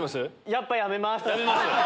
やっぱやめます！